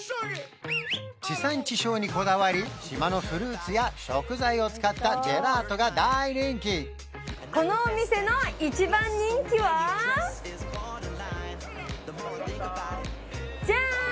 地産地消にこだわり島のフルーツや食材を使ったジェラートが大人気ジャーン！